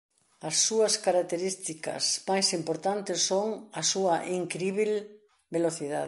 As súas características máis importantes son a súa incríbel velocidade.